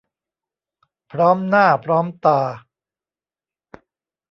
พร้อมหน้าพร้อมตา